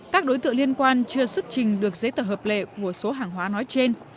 các đối tượng liên quan chưa xuất trình được giấy tờ hợp lệ của số hàng hóa nói trên